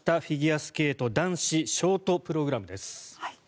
フィギュアスケート男子ショートプログラムです。